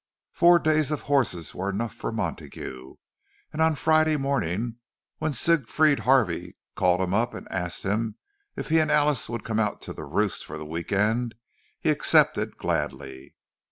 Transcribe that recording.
Four days of horses were enough for Montague, and on Friday morning, when Siegfried Harvey called him up and asked if he and Alice would come out to "The Roost" for the week end, he accepted gladly.